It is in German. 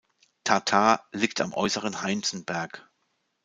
Tartar liegt am äusseren Heinzenberg.